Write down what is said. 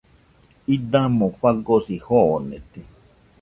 Idamo fagosi joonete.